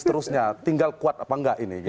seterusnya tinggal kuat apa enggak ini